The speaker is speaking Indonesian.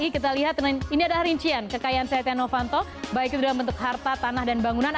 kita lihat ini adalah rincian kekayaan setia novanto baik itu dalam bentuk harta tanah dan bangunan